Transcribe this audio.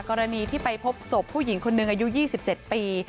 กรณีที่ไปพบศพผู้หญิงคนหนึ่งอายุ๒๗ปี